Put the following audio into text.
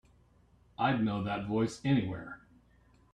I'd know that voice anywhere.